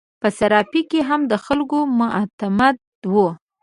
په صرافي کې هم د خلکو معتمد وو.